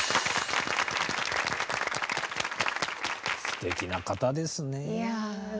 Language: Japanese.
すてきな方ですね。